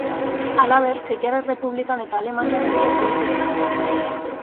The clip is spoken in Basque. Halaber, Txekiar Errepublikan eta Alemanian ere hitz egiten da.